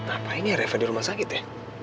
apa ini refe di rumah sakit ya